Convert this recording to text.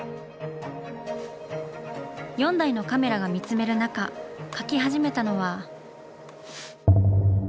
４台のカメラが見つめる中描き始めたのは。